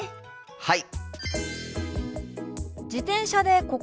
はい！